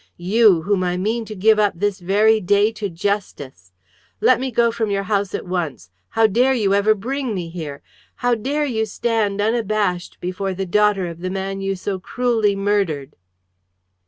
You, whom I mean to give up this very day to Justice! Let me go from your house at once! How dare you ever bring me here? How dare you stand unabashed before the daughter of the man you so cruelly murdered?"